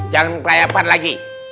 jangan ke layapar lagi